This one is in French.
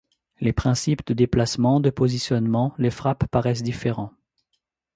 Les principes de déplacement, de positionnement, les frappes paraissent différents.